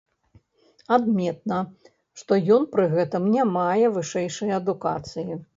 Адметна, што ён пры гэтым не мае вышэйшай адукацыі.